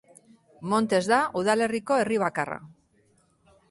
Montes da udalerriko herri bakarra.